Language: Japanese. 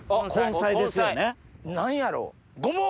何やろう？